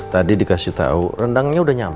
tadi dikasih tau rendangnya udah nyampe